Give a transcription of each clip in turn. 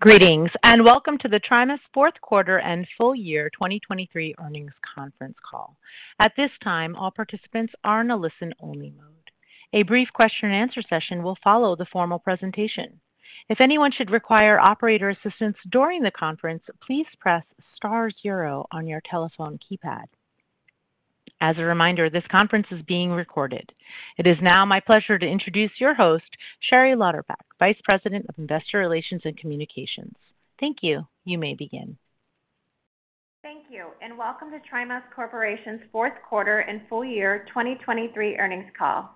Greetings, and welcome to the TriMas fourth quarter and full year 2023 earnings conference call. At this time, all participants are in a listen-only mode. A brief question-and-answer session will follow the formal presentation. If anyone should require operator assistance during the conference, please press star zero on your telephone keypad. As a reminder, this conference is being recorded. It is now my pleasure to introduce your host, Sherry Lauderback, Vice President of Investor Relations and Communications. Thank you. You may begin. Thank you, and welcome to TriMas Corporation's fourth quarter and full year 2023 earnings call.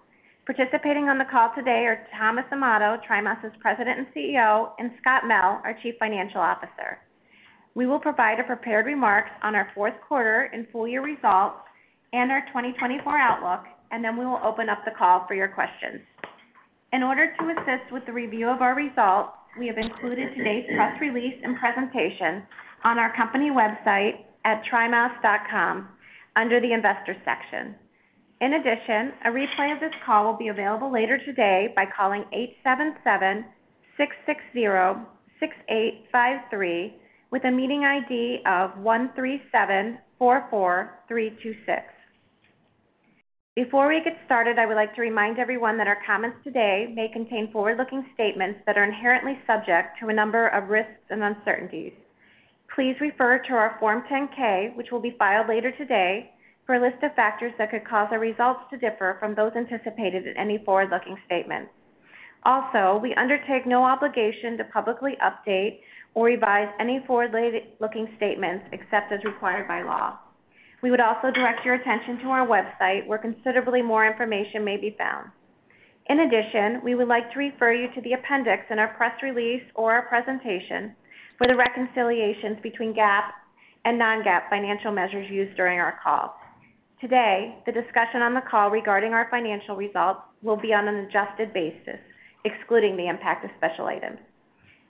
Participating on the call today are Thomas Amato, TriMas's President and CEO, and Scott Mell, our Chief Financial Officer. We will provide prepared remarks on our fourth quarter and full year results and our 2024 outlook, and then we will open up the call for your questions. In order to assist with the review of our results, we have included today's press release and presentation on our company website at trimas.com under the Investors section. In addition, a replay of this call will be available later today by calling 877-660-6853, with a meeting ID of 13744326. Before we get started, I would like to remind everyone that our comments today may contain forward-looking statements that are inherently subject to a number of risks and uncertainties. Please refer to our Form 10-K, which will be filed later today, for a list of factors that could cause our results to differ from those anticipated in any forward-looking statement. Also, we undertake no obligation to publicly update or revise any forward-looking statements except as required by law. We would also direct your attention to our website, where considerably more information may be found. In addition, we would like to refer you to the appendix in our press release or our presentation for the reconciliations between GAAP and non-GAAP financial measures used during our call. Today, the discussion on the call regarding our financial results will be on an adjusted basis, excluding the impact of special items.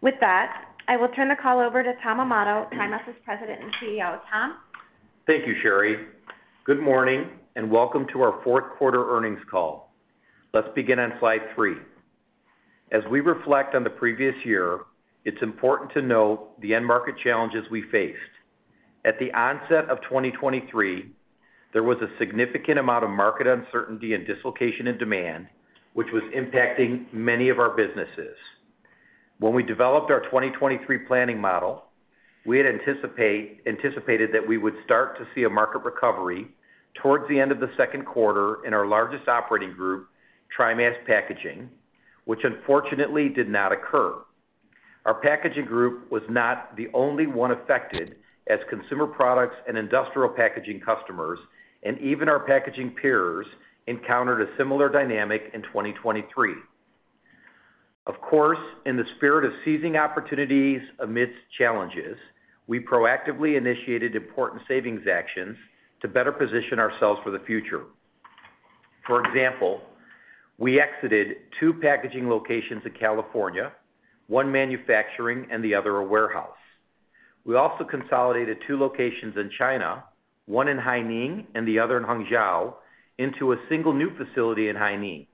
With that, I will turn the call over to Tom Amato, TriMas's President and CEO. Tom? Thank you, Sherry. Good morning, and welcome to our fourth quarter earnings call. Let's begin on slide 3. As we reflect on the previous year, it's important to note the end market challenges we faced. At the onset of 2023, there was a significant amount of market uncertainty and dislocation in demand, which was impacting many of our businesses. When we developed our 2023 planning model, we had anticipated that we would start to see a market recovery towards the end of the second quarter in our largest operating group, TriMas Packaging, which unfortunately did not occur. Our packaging group was not the only one affected, as consumer products and industrial packaging customers, and even our packaging peers, encountered a similar dynamic in 2023. Of course, in the spirit of seizing opportunities amidst challenges, we proactively initiated important savings actions to better position ourselves for the future. For example, we exited two packaging locations in California, one manufacturing and the other a warehouse. We also consolidated two locations in China, one in Haining and the other in Hangzhou, into a single new facility in Haining.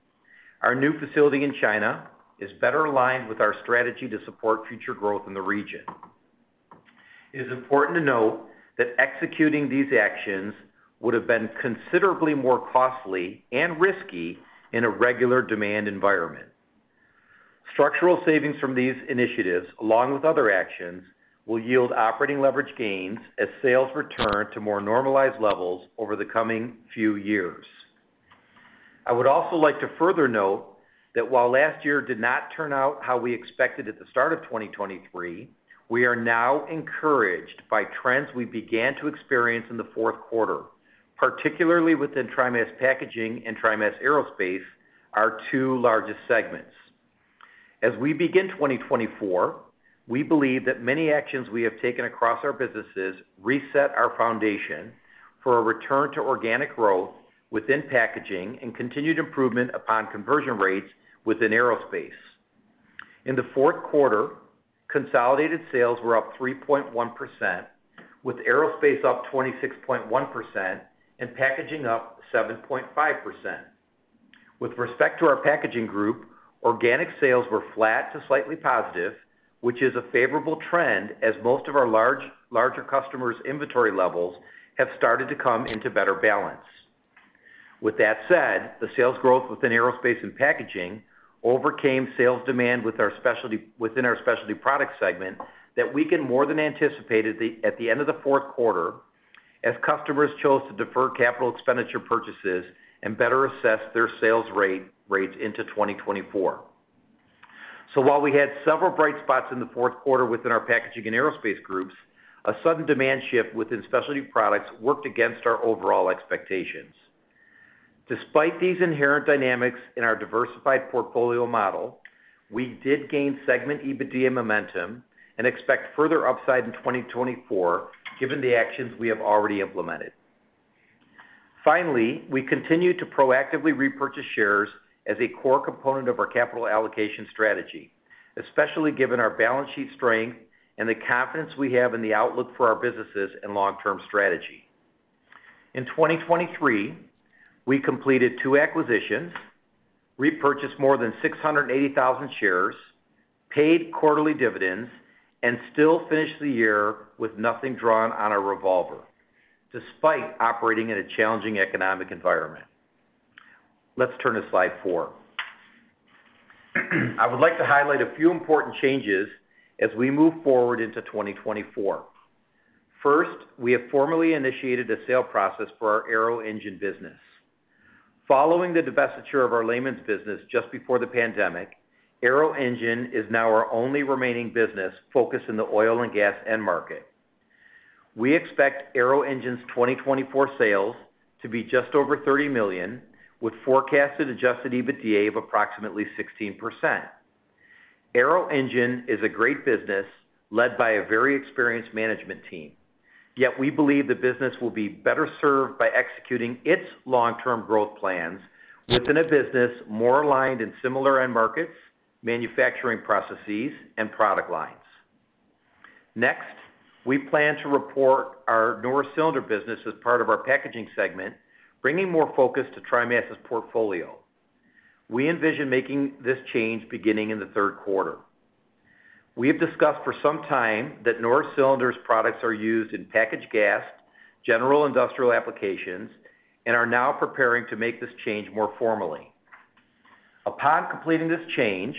Our new facility in China is better aligned with our strategy to support future growth in the region. It is important to note that executing these actions would have been considerably more costly and risky in a regular demand environment. Structural savings from these initiatives, along with other actions, will yield operating leverage gains as sales return to more normalized levels over the coming few years. I would also like to further note that while last year did not turn out how we expected at the start of 2023, we are now encouraged by trends we began to experience in the fourth quarter, particularly within TriMas Packaging and TriMas Aerospace, our two largest segments. As we begin 2024, we believe that many actions we have taken across our businesses reset our foundation for a return to organic growth within packaging and continued improvement upon conversion rates within aerospace. In the fourth quarter, consolidated sales were up 3.1%, with aerospace up 26.1% and packaging up 7.5%. With respect to our packaging group, organic sales were flat to slightly positive, which is a favorable trend as most of our larger customers' inventory levels have started to come into better balance. With that said, the sales growth within aerospace and packaging overcame sales demand within our specialty products segment that was more than anticipated at the end of the fourth quarter, as customers chose to defer capital expenditure purchases and better assess their sales rates into 2024. So while we had several bright spots in the fourth quarter within our packaging and aerospace groups, a sudden demand shift within specialty products worked against our overall expectations. Despite these inherent dynamics in our diversified portfolio model, we did gain segment EBITDA momentum and expect further upside in 2024, given the actions we have already implemented. Finally, we continue to proactively repurchase shares as a core component of our capital allocation strategy, especially given our balance sheet strength and the confidence we have in the outlook for our businesses and long-term strategy.... In 2023, we completed two acquisitions, repurchased more than 680,000 shares, paid quarterly dividends, and still finished the year with nothing drawn on our revolver, despite operating in a challenging economic environment. Let's turn to slide 4. I would like to highlight a few important changes as we move forward into 2024. First, we have formally initiated the sale process for our Arrow Engine business. Following the divestiture of our Lamons business just before the pandemic, Arrow Engine is now our only remaining business focused in the oil and gas end market. We expect Arrow Engine 2024 sales to be just over $30 million, with forecasted Adjusted EBITDA of approximately 16%. Arrow Engine is a great business, led by a very experienced management team, yet we believe the business will be better served by executing its long-term growth plans within a business more aligned in similar end markets, manufacturing processes, and product lines. Next, we plan to report our Norris Cylinder business as part of our packaging segment, bringing more focus to TriMas' portfolio. We envision making this change beginning in the third quarter. We have discussed for some time that Norris Cylinder's products are used in packaged gas, general industrial applications, and are now preparing to make this change more formally. Upon completing this change,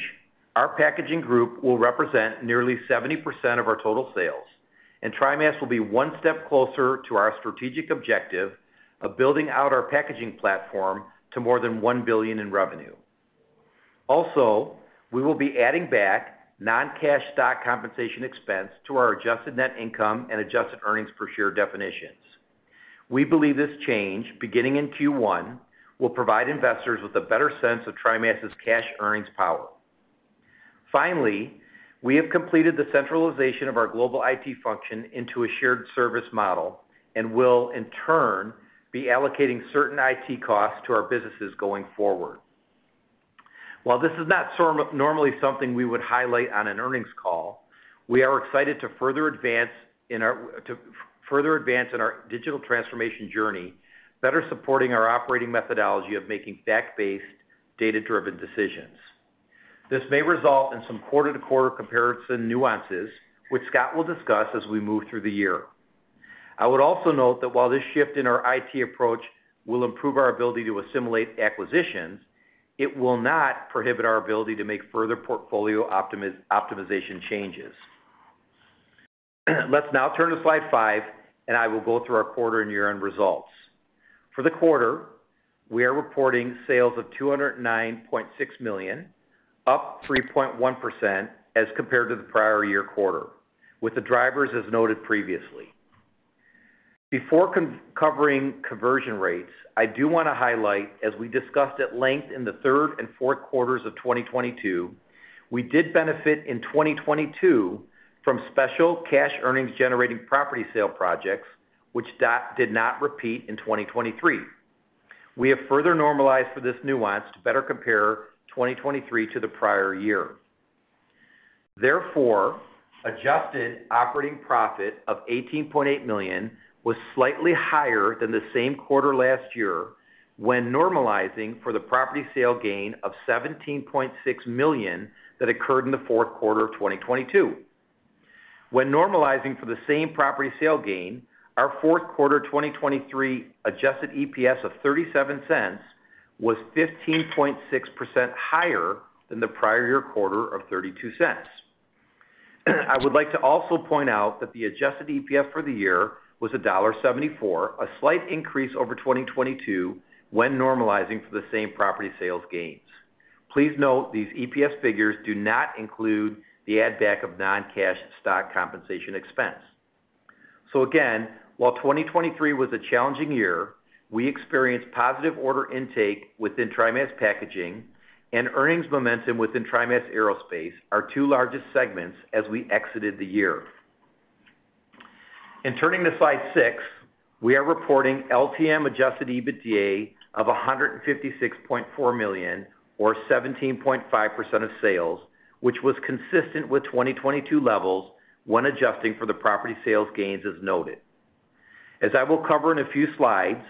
our packaging group will represent nearly 70% of our total sales, and TriMas will be one step closer to our strategic objective of building out our packaging platform to more than $1 billion in revenue. Also, we will be adding back non-cash stock compensation expense to our adjusted net income and adjusted earnings per share definitions. We believe this change, beginning in Q1, will provide investors with a better sense of TriMas' cash earnings power. Finally, we have completed the centralization of our global IT function into a shared service model and will, in turn, be allocating certain IT costs to our businesses going forward. While this is not sort of normally something we would highlight on an earnings call, we are excited to further advance in our digital transformation journey, better supporting our operating methodology of making fact-based, data-driven decisions. This may result in some quarter-to-quarter comparison nuances, which Scott will discuss as we move through the year. I would also note that while this shift in our IT approach will improve our ability to assimilate acquisitions, it will not prohibit our ability to make further portfolio optimization changes. Let's now turn to slide 5, and I will go through our quarter and year-end results. For the quarter, we are reporting sales of $209.6 million, up 3.1% as compared to the prior year quarter, with the drivers as noted previously. Before covering conversion rates, I do want to highlight, as we discussed at length in the third and fourth quarters of 2022, we did benefit in 2022 from special cash earnings-generating property sale projects, which did not repeat in 2023. We have further normalized for this nuance to better compare 2023 to the prior year. Therefore, adjusted operating profit of $18.8 million was slightly higher than the same quarter last year when normalizing for the property sale gain of $17.6 million that occurred in the fourth quarter of 2022. When normalizing for the same property sale gain, our fourth quarter 2023 adjusted EPS of $0.37 was 15.6% higher than the prior year quarter of $0.32. I would like to also point out that the adjusted EPS for the year was $1.74, a slight increase over 2022, when normalizing for the same property sales gains. Please note, these EPS figures do not include the add-back of non-cash stock compensation expense. So again, while 2023 was a challenging year, we experienced positive order intake within TriMas Packaging and earnings momentum within TriMas Aerospace, our two largest segments, as we exited the year. In turning to slide six, we are reporting LTM adjusted EBITDA of $156.4 million, or 17.5% of sales, which was consistent with 2022 levels when adjusting for the property sales gains, as noted. As I will cover in a few slides,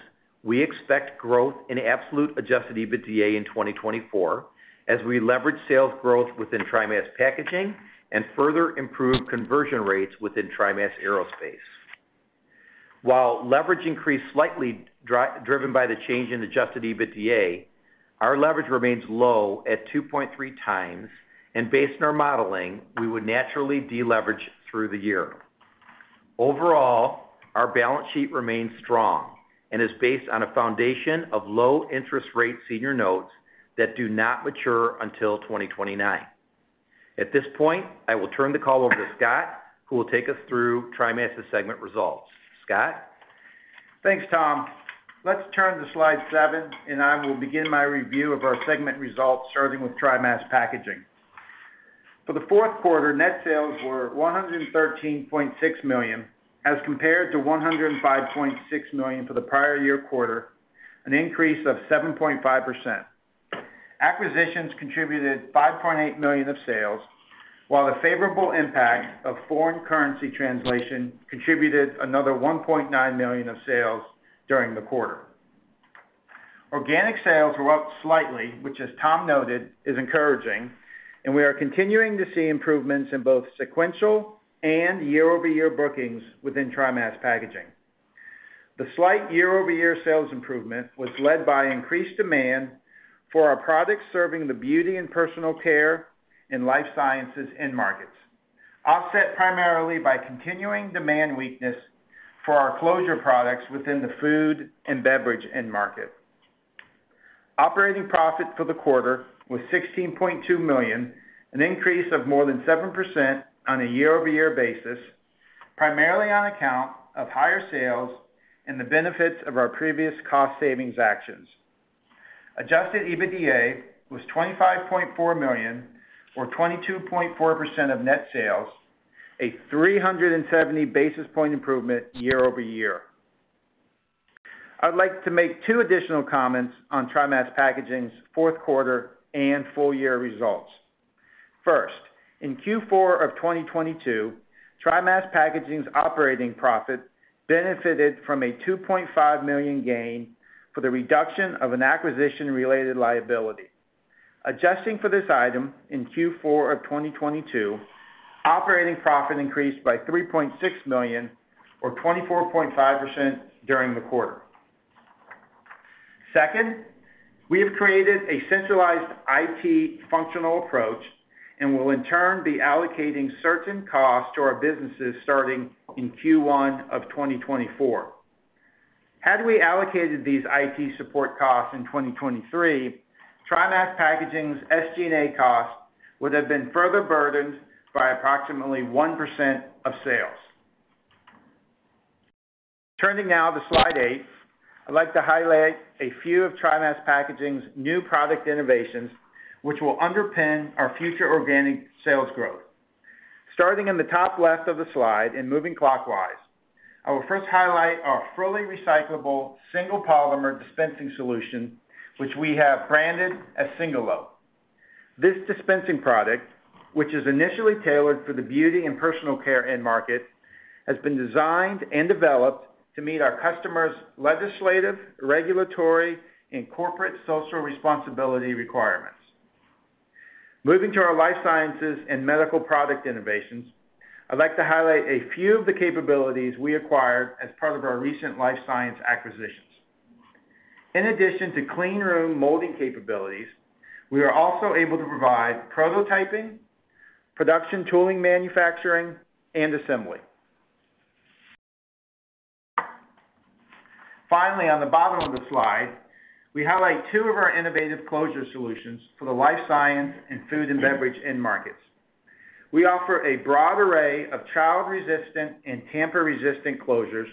we expect growth in absolute adjusted EBITDA in 2024, as we leverage sales growth within TriMas Packaging and further improve conversion rates within TriMas Aerospace. While leverage increased slightly driven by the change in adjusted EBITDA, our leverage remains low at 2.3 times, and based on our modeling, we would naturally deleverage through the year. Overall, our balance sheet remains strong and is based on a foundation of low-interest-rate senior notes that do not mature until 2029. At this point, I will turn the call over to Scott, who will take us through TriMas' segment results. Scott? Thanks, Tom. Let's turn to slide seven, and I will begin my review of our segment results, starting with TriMas Packaging. For the fourth quarter, net sales were $113.6 million, as compared to $105.6 million for the prior year quarter, an increase of 7.5%. Acquisitions contributed $5.8 million of sales, while the favorable impact of foreign currency translation contributed another $1.9 million of sales during the quarter. Organic sales were up slightly, which, as Tom noted, is encouraging, and we are continuing to see improvements in both sequential and year-over-year bookings within TriMas Packaging. The slight year-over-year sales improvement was led by increased demand for our products serving the beauty and personal care and life sciences end markets, offset primarily by continuing demand weakness for our closure products within the food and beverage end market. Operating profit for the quarter was $16.2 million, an increase of more than 7% on a year-over-year basis, primarily on account of higher sales and the benefits of our previous cost savings actions. Adjusted EBITDA was $25.4 million, or 22.4% of net sales, a 370 basis point improvement year over year. I'd like to make two additional comments on TriMas Packaging's fourth quarter and full year results. First, in Q4 of 2022, TriMas Packaging's operating profit benefited from a $2.5 million gain for the reduction of an acquisition-related liability. Adjusting for this item, in Q4 of 2022, operating profit increased by $3.6 million, or 24.5% during the quarter. Second, we have created a centralized IT functional approach and will in turn be allocating certain costs to our businesses starting in Q1 of 2024. Had we allocated these IT support costs in 2023, TriMas Packaging's SG&A costs would have been further burdened by approximately 1% of sales. Turning now to slide 8, I'd like to highlight a few of TriMas Packaging's new product innovations, which will underpin our future organic sales growth. Starting in the top left of the slide and moving clockwise, I will first highlight our fully recyclable, single-polymer dispensing solution, which we have branded as Singolo. This dispensing product, which is initially tailored for the beauty and personal care end market, has been designed and developed to meet our customers' legislative, regulatory, and corporate social responsibility requirements. Moving to our Life Sciences and medical product innovations, I'd like to highlight a few of the capabilities we acquired as part of our recent Life Sciences acquisitions. In addition to clean room molding capabilities, we are also able to provide prototyping, production tooling manufacturing, and assembly. Finally, on the bottom of the slide, we highlight two of our innovative closure solutions for the Life Sciences and food and beverage end markets. We offer a broad array of child-resistant and tamper-resistant closures,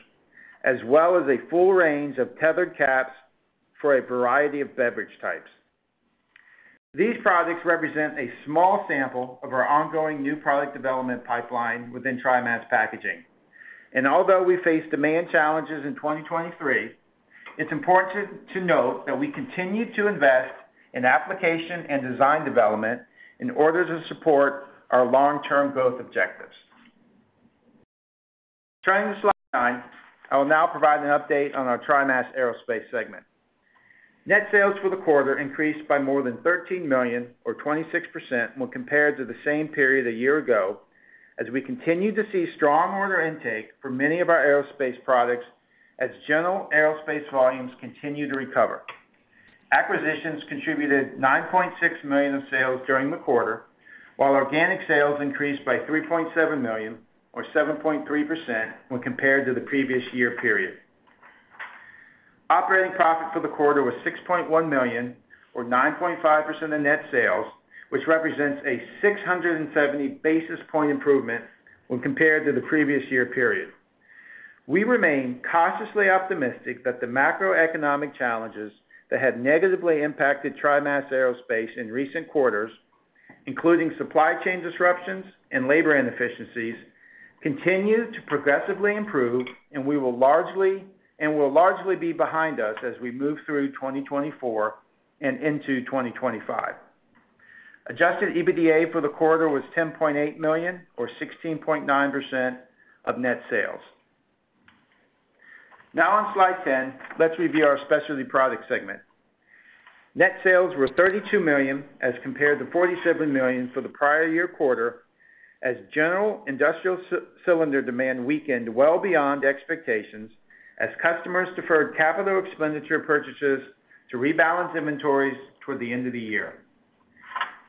as well as a full range of tethered caps for a variety of beverage types. These products represent a small sample of our ongoing new product development pipeline within TriMas Packaging, and although we face demand challenges in 2023, it's important to note that we continue to invest in application and design development in order to support our long-term growth objectives. Turning to slide 9, I will now provide an update on our TriMas Aerospace segment. Net sales for the quarter increased by more than $13 million, or 26%, when compared to the same period a year ago, as we continued to see strong order intake for many of our aerospace products as general aerospace volumes continue to recover. Acquisitions contributed $9.6 million of sales during the quarter, while organic sales increased by $3.7 million, or 7.3%, when compared to the previous year period. Operating profit for the quarter was $6.1 million, or 9.5% of net sales, which represents a 670 basis point improvement when compared to the previous year period. We remain cautiously optimistic that the macroeconomic challenges that have negatively impacted TriMas Aerospace in recent quarters, including supply chain disruptions and labor inefficiencies, continue to progressively improve, and we will largely be behind us as we move through 2024 and into 2025. Adjusted EBITDA for the quarter was $10.8 million, or 16.9% of net sales. Now on slide 10, let's review our Specialty Products segment. Net sales were $32 million, as compared to $47 million for the prior year quarter, as general industrial cylinder demand weakened well beyond expectations as customers deferred capital expenditure purchases to rebalance inventories toward the end of the year.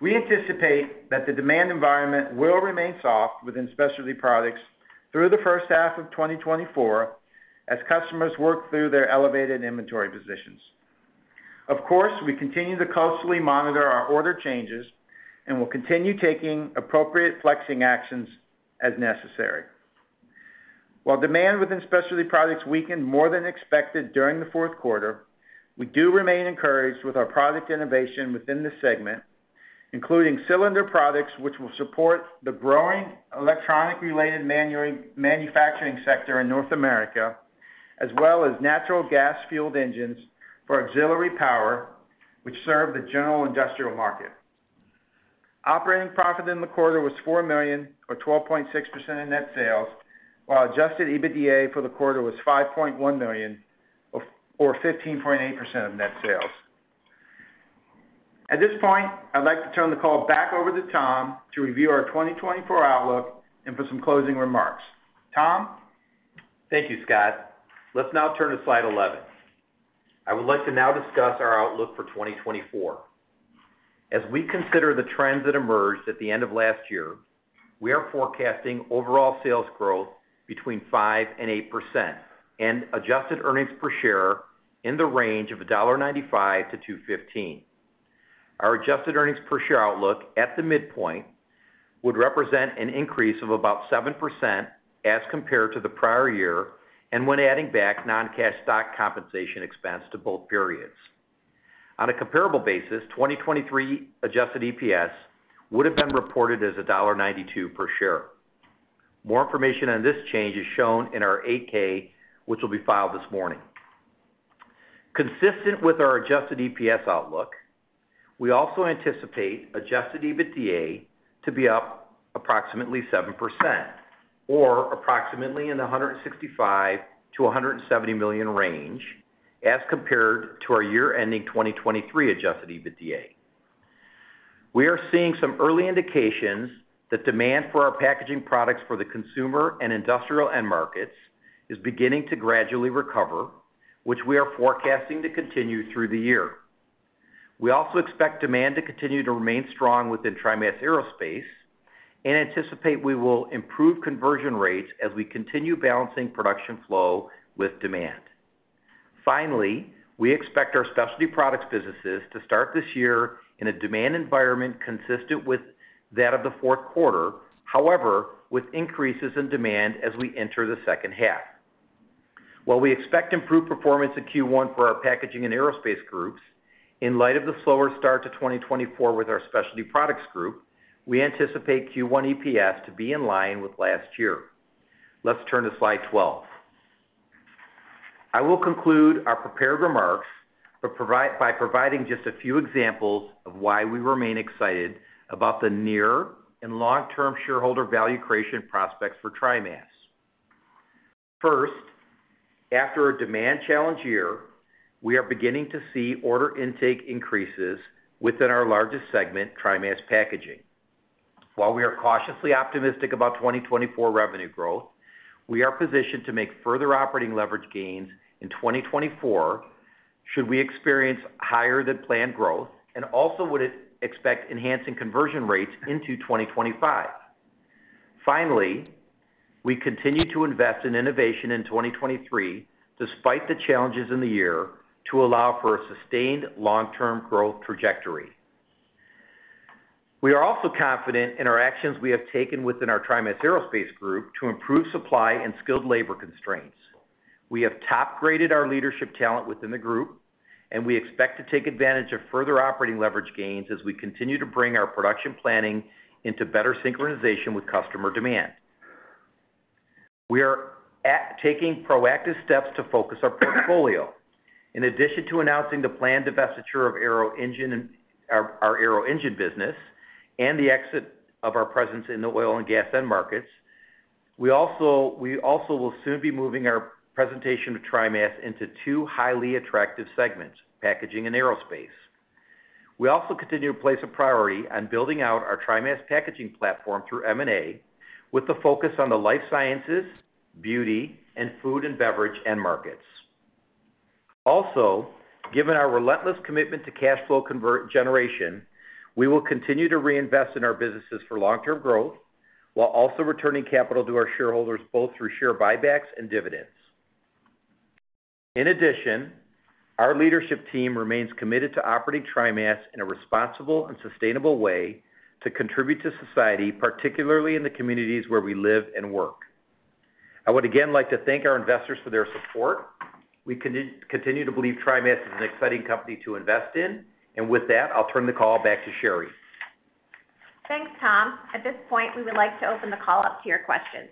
We anticipate that the demand environment will remain soft within Specialty Products through the first half of 2024, as customers work through their elevated inventory positions. Of course, we continue to closely monitor our order changes and will continue taking appropriate flexing actions as necessary. While demand within Specialty Products weakened more than expected during the fourth quarter, we do remain encouraged with our product innovation within the segment, including cylinder products, which will support the growing electronic-related manufacturing sector in North America, as well as natural gas-fueled engines for auxiliary power, which serve the general industrial market. Operating profit in the quarter was $4 million, or 12.6% of net sales, while Adjusted EBITDA for the quarter was $5.1 million, or 15.8% of net sales. At this point, I'd like to turn the call back over to Tom to review our 2024 outlook and for some closing remarks. Tom? Thank you, Scott. Let's now turn to slide 11. I would like to now discuss our outlook for 2024. As we consider the trends that emerged at the end of last year, we are forecasting overall sales growth between 5% and 8%, and adjusted earnings per share in the range of $1.95-$2.15. Our adjusted earnings per share outlook at the midpoint would represent an increase of about 7% as compared to the prior year, and when adding back non-cash stock compensation expense to both periods. On a comparable basis, 2023 adjusted EPS would have been reported as $1.92 per share. More information on this change is shown in our 8-K, which will be filed this morning. Consistent with our Adjusted EPS outlook, we also anticipate Adjusted EBITDA to be up approximately 7% or approximately in the $165 million-$170 million range as compared to our year-ending 2023 Adjusted EBITDA. We are seeing some early indications that demand for our packaging products for the consumer and industrial end markets is beginning to gradually recover, which we are forecasting to continue through the year. We also expect demand to continue to remain strong within TriMas Aerospace and anticipate we will improve conversion rates as we continue balancing production flow with demand. Finally, we expect our specialty products businesses to start this year in a demand environment consistent with that of the fourth quarter. However, with increases in demand as we enter the second half. While we expect improved performance in Q1 for our packaging and aerospace groups, in light of the slower start to 2024 with our specialty products group, we anticipate Q1 EPS to be in line with last year. Let's turn to slide 12. I will conclude our prepared remarks by providing just a few examples of why we remain excited about the near and long-term shareholder value creation prospects for TriMas. First, after a demand challenge year, we are beginning to see order intake increases within our largest segment, TriMas Packaging. While we are cautiously optimistic about 2024 revenue growth, we are positioned to make further operating leverage gains in 2024 should we experience higher than planned growth and also would expect enhancing conversion rates into 2025. Finally, we continue to invest in innovation in 2023, despite the challenges in the year, to allow for a sustained long-term growth trajectory. We are also confident in our actions we have taken within our TriMas Aerospace group to improve supply and skilled labor constraints. We have top-graded our leadership talent within the group, and we expect to take advantage of further operating leverage gains as we continue to bring our production planning into better synchronization with customer demand. We are taking proactive steps to focus our portfolio. In addition to announcing the planned divestiture of our AeroEngine business and the exit of our presence in the oil and gas end markets, we also will soon be moving our presentation to TriMas into two highly attractive segments, Packaging and Aerospace. We also continue to place a priority on building out our TriMas Packaging platform through M&A, with the focus on the Life Sciences, Beauty, and Food and Beverage end markets. Also, given our relentless commitment to cash flow convert generation, we will continue to reinvest in our businesses for long-term growth, while also returning capital to our shareholders, both through share buybacks and dividends. In addition, our leadership team remains committed to operating TriMas in a responsible and sustainable way to contribute to society, particularly in the communities where we live and work. I would again like to thank our investors for their support. We continue to believe TriMas is an exciting company to invest in. With that, I'll turn the call back to Sherry. Thanks, Tom. At this point, we would like to open the call up to your questions.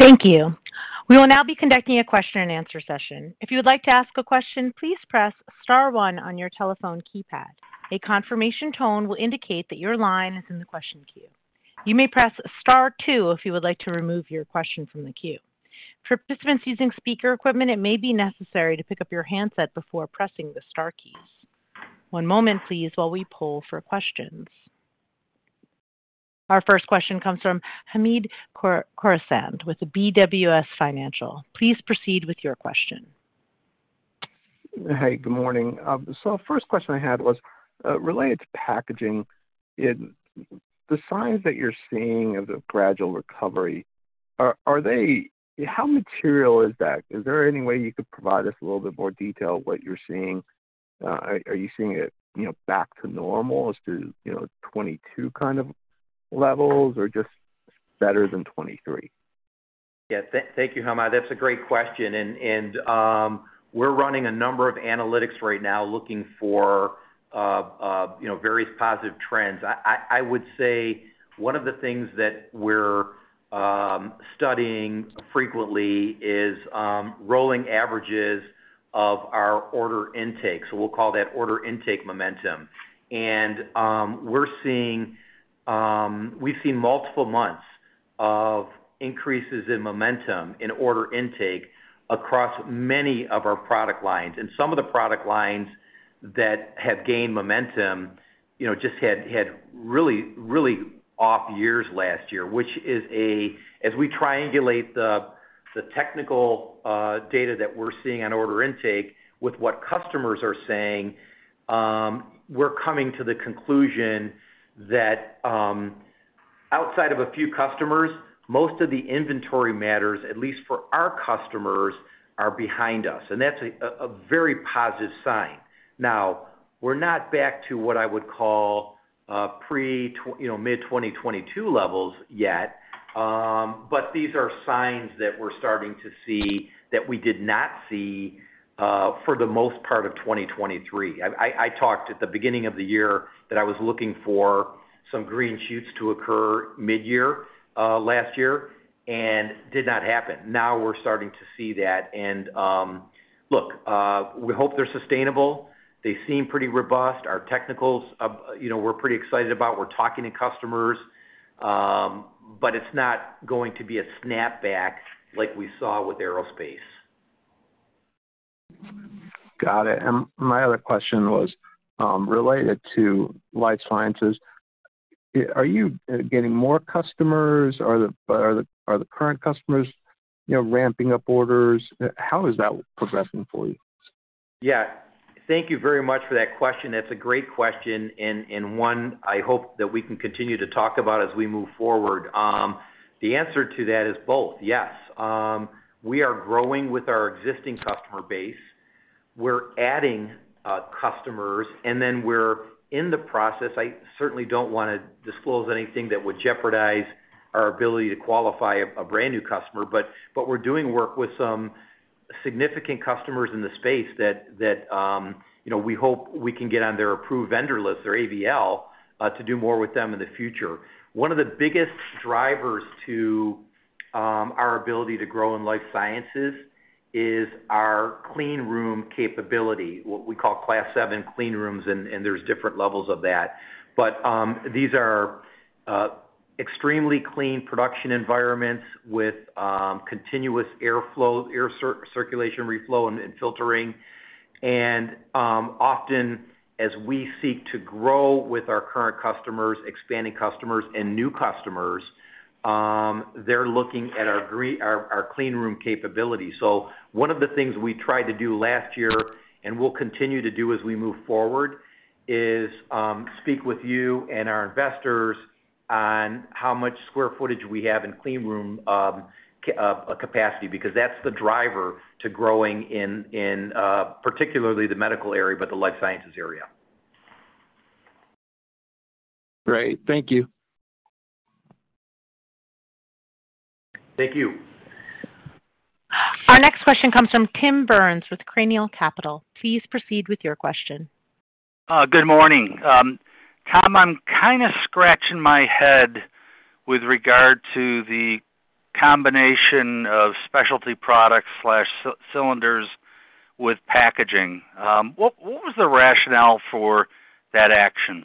Thank you. We will now be conducting a question-and-answer session. If you would like to ask a question, please press star one on your telephone keypad. A confirmation tone will indicate that your line is in the question queue. You may press star two if you would like to remove your question from the queue. For participants using speaker equipment, it may be necessary to pick up your handset before pressing the star keys. One moment, please, while we poll for questions. Our first question comes from Hamid Khorsand with BWS Financial. Please proceed with your question. Hey, good morning. First question I had was related to packaging. In the signs that you're seeing of the gradual recovery, are they? How material is that? Is there any way you could provide us a little bit more detail what you're seeing? Are you seeing it, you know, back to normal as to, you know, 2022 kind of levels or just better than 2023?... Yeah, thank you, Hamid. That's a great question, and we're running a number of analytics right now looking for, you know, various positive trends. I would say one of the things that we're studying frequently is rolling averages of our order intake, so we'll call that order intake momentum. And we're seeing, we've seen multiple months of increases in momentum in order intake across many of our product lines. Some of the product lines that have gained momentum, you know, just had really, really off years last year, which is, as we triangulate the technical data that we're seeing on order intake with what customers are saying, we're coming to the conclusion that, outside of a few customers, most of the inventory matters, at least for our customers, are behind us, and that's a very positive sign. Now, we're not back to what I would call, pre- you know, mid-2022 levels yet, but these are signs that we're starting to see that we did not see for the most part of 2023. I talked at the beginning of the year that I was looking for some green shoots to occur midyear last year, and did not happen. Now, we're starting to see that. And, look, we hope they're sustainable. They seem pretty robust. Our technicals, you know, we're pretty excited about. We're talking to customers, but it's not going to be a snapback like we saw with aerospace. Got it. And my other question was, related to life sciences. Are you getting more customers? Are the current customers, you know, ramping up orders? How is that progressing for you? Yeah. Thank you very much for that question. That's a great question, and one I hope that we can continue to talk about as we move forward. The answer to that is both, yes. We are growing with our existing customer base. We're adding customers, and then we're in the process... I certainly don't wanna disclose anything that would jeopardize our ability to qualify a brand-new customer, but we're doing work with some significant customers in the space that you know, we hope we can get on their approved vendor list, or AVL, to do more with them in the future. One of the biggest drivers to our ability to grow in Life Sciences is our clean room capability, what we call Class 7 clean rooms, and there's different levels of that. But these are extremely clean production environments with continuous airflow, air circulation, reflow, and filtering. And often, as we seek to grow with our current customers, expanding customers and new customers, they're looking at our clean room capability. So one of the things we tried to do last year, and we'll continue to do as we move forward, is speak with you and our investors on how much square footage we have in clean room capacity, because that's the driver to growing in particularly the medical area, but the life sciences area. Great. Thank you. Thank you. Our next question comes from Tim Burns with Cannell Capital Please proceed with your question. Good morning. Tom, I'm kind of scratching my head with regard to the combination of specialty products cylinders with packaging. What was the rationale for that action?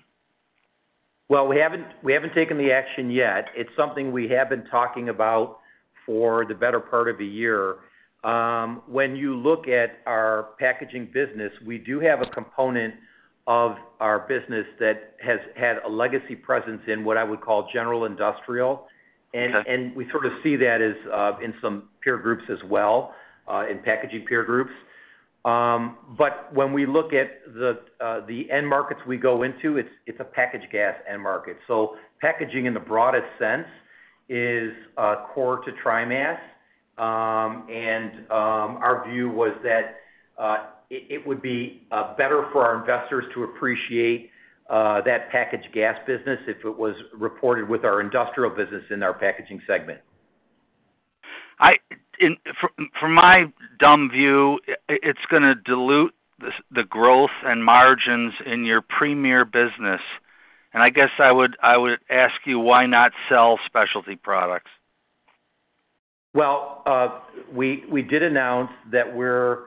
Well, we haven't, we haven't taken the action yet. It's something we have been talking about for the better part of a year. When you look at our packaging business, we do have a component of our business that has had a legacy presence in what I would call general industrial. Okay. We sort of see that as in some peer groups as well, in packaging peer groups. But when we look at the end markets we go into, it's a packaged gas end market. Packaging in the broadest sense is core to TriMas, and our view was that it would be better for our investors to appreciate that packaged gas business if it was reported with our industrial business in our packaging segment. From my dumb view, it's gonna dilute the growth and margins in your premier business, and I guess I would ask you, why not sell specialty products? Well, we did announce that we're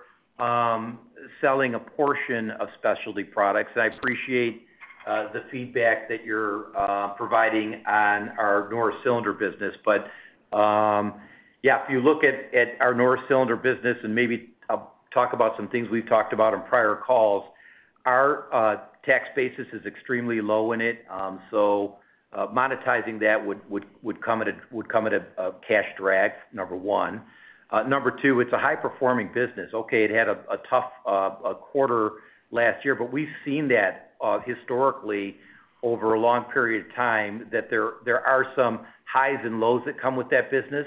selling a portion of Specialty Products. I appreciate the feedback that you're providing on our Norris Cylinder business, but yeah, if you look at our Norris Cylinder business, and maybe I'll talk about some things we've talked about on prior calls, our tax basis is extremely low in it. So, monetizing that would come at a cash drag, number one. Number two, it's a high-performing business. Okay, it had a tough quarter last year, but we've seen that historically over a long period of time, that there are some highs and lows that come with that business.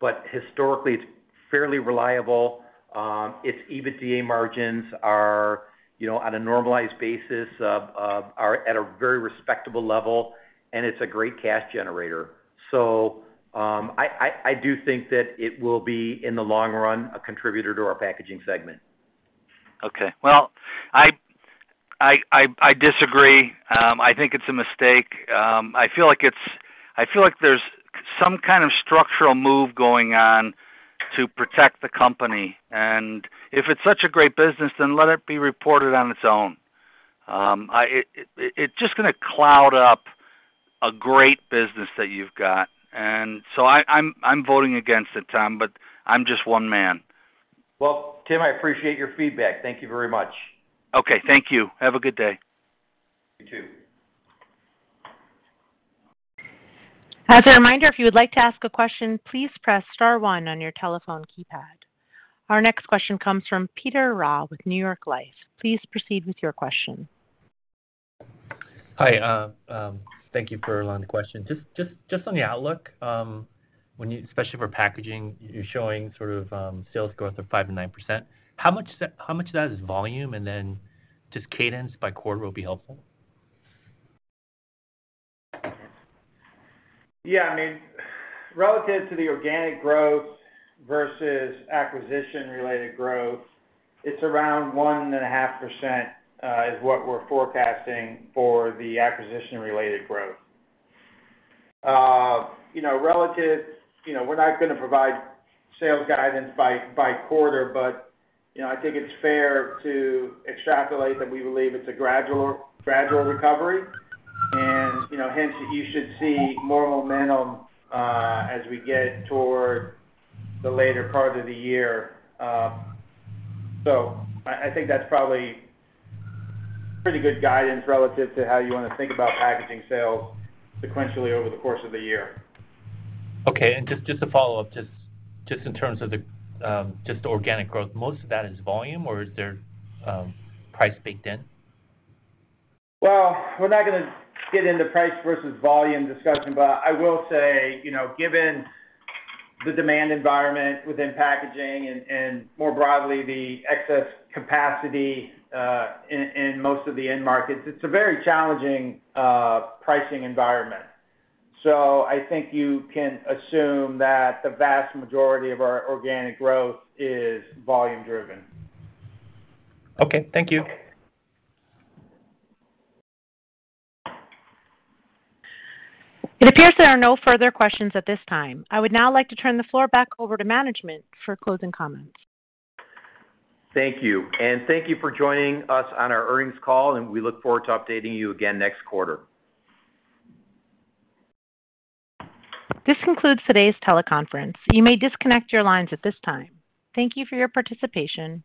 But historically, it's fairly reliable.... its EBITDA margins are, you know, on a normalized basis, are at a very respectable level, and it's a great cash generator. So, I do think that it will be, in the long run, a contributor to our packaging segment. Okay. Well, I disagree. I think it's a mistake. I feel like there's some kind of structural move going on to protect the company, and if it's such a great business, then let it be reported on its own. It's just gonna cloud up a great business that you've got, and so I'm voting against it, Tom, but I'm just one man. Well, Tim, I appreciate your feedback. Thank you very much. Okay, thank you. Have a good day. You, too. As a reminder, if you would like to ask a question, please press star one on your telephone keypad. Our next question comes from Peter Rea with New York Life. Please proceed with your question. Hi, thank you for allowing the question. Just on the outlook, when you, especially for packaging, you're showing sort of sales growth of 5%-9%. How much of that is volume? And then just cadence by quarter will be helpful. Yeah, I mean, relative to the organic growth versus acquisition-related growth, it's around 1.5%, is what we're forecasting for the acquisition-related growth. You know, we're not gonna provide sales guidance by quarter, but, you know, I think it's fair to extrapolate that we believe it's a gradual, gradual recovery. And, you know, hence, you should see more momentum, as we get toward the later part of the year. So I think that's probably pretty good guidance relative to how you wanna think about packaging sales sequentially over the course of the year. Okay, and just to follow up, just in terms of the organic growth, most of that is volume, or is there price baked in? Well, we're not gonna get into price versus volume discussion, but I will say, you know, given the demand environment within packaging and, more broadly, the excess capacity, in most of the end markets, it's a very challenging, pricing environment. So I think you can assume that the vast majority of our organic growth is volume driven. Okay, thank you. It appears there are no further questions at this time. I would now like to turn the floor back over to management for closing comments. Thank you. Thank you for joining us on our earnings call, and we look forward to updating you again next quarter. This concludes today's teleconference. You may disconnect your lines at this time. Thank you for your participation.